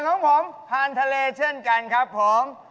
ส่วนของผมพานทะเลเช่นกันครับผม